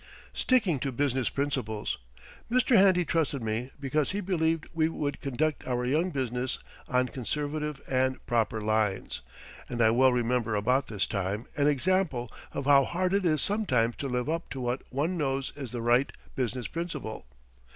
STICKING TO BUSINESS PRINCIPLES Mr. Handy trusted me because he believed we would conduct our young business on conservative and proper lines, and I well remember about this time an example of how hard it is sometimes to live up to what one knows is the right business principle.